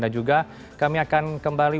dan juga kami akan kembali